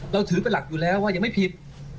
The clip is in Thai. เราถือเป็นหลักอยู่แล้วว่ายังไม่ผิด